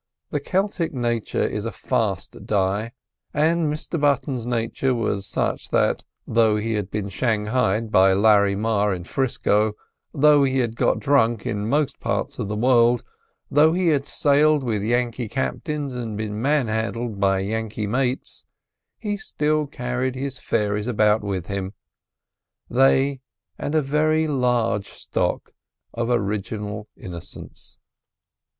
The Celtic nature is a fast dye, and Mr Button's nature was such that though he had been shanghaied by Larry Marr in 'Frisco, though he had got drunk in most ports of the world, though he had sailed with Yankee captains and been man handled by Yankee mates, he still carried his fairies about with him—they, and a very large stock of original innocence.